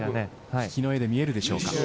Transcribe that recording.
引きの絵で見えるでしょうか？